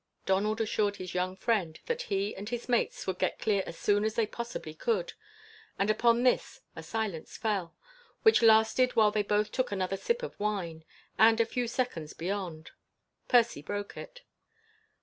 Donald assured his young friend that he and his mates would get clear as soon as they possibly could; and upon this a silence fell, which lasted while they both took another sip of wine, and a few seconds beyond. Percy broke it.